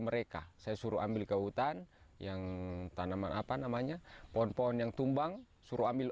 mereka saya suruh ambil ke hutan yang tanaman apa namanya pohon pohon yang tumbang suruh ambil